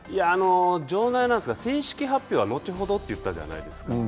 場内アナウンサーが「正式発表は後ほど」とおっしゃったじゃないですか。